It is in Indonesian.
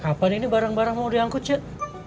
kapan ini barang barang mau diangkut cek